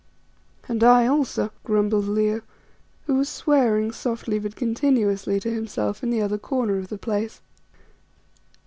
"And I also," grumbled Leo, who was swearing softly but continuously to himself in the other corner of the place.